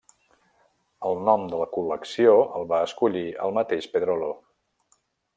El nom de la col·lecció el va escollir el mateix Pedrolo.